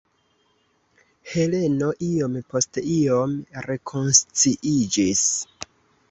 Heleno iom post iom rekonsciiĝis.